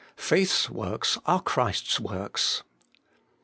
Faith's works are Christ's works.